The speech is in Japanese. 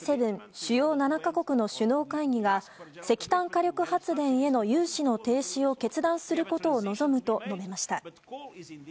主要７か国の首脳会議が石炭火力発電への融資の停止を決断することを望むと述べました。